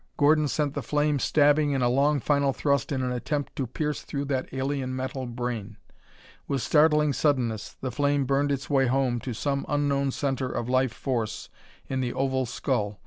Gordon sent the flame stabbing in a long final thrust in an attempt to pierce through to that alien metal brain. With startling suddenness the flame burned its way home to some unknown center of life force in the oval skull.